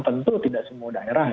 tentu tidak semua daerah